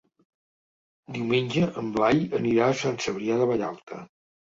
Diumenge en Blai anirà a Sant Cebrià de Vallalta.